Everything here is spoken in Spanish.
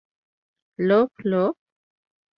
Love Love?